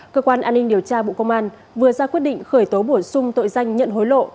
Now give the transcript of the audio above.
cơ quan an ninh điều tra bộ công an vừa ra quyết định khởi tố bổ sung tội danh nhận hối lộ